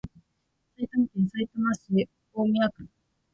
埼玉県さいたま市大宮区